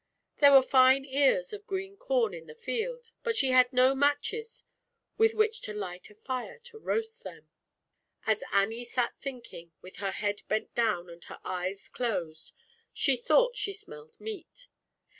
There were fine ears of green corn in the field, but she had no matches with which to light a fire to roast them. As Annie sat thinking, with her head bent down and her eyes closed, she thought she smelled meat.